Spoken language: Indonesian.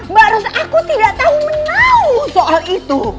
mbak ros aku tidak tahu menau soal itu